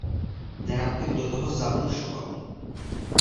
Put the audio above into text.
Nerad bych do toho zabrušoval.